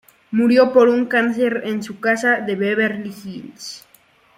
Murió por un cáncer en su casa de Beverly Hills.